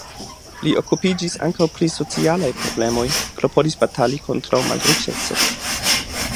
Li okupiĝis ankaŭ pri socialaj problemoj, klopodis batali kontraŭ malriĉeco.